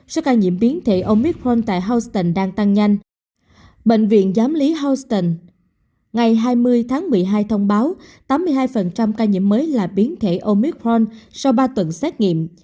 số ca nhiễm biến thể omitron tại houston đang tăng nhanh bệnh viện giám lý houston ngày hai mươi tháng một mươi hai thông báo tám mươi hai ca nhiễm mới là biến thể omicrone sau ba tuần xét nghiệm